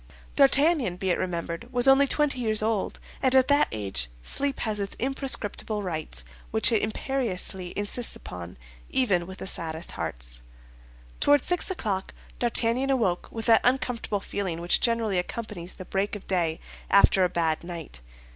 D'Artagnan, be it remembered, was only twenty years old, and at that age sleep has its imprescriptible rights which it imperiously insists upon, even with the saddest hearts. Toward six o'clock D'Artagnan awoke with that uncomfortable feeling which generally accompanies the break of day after a bad night.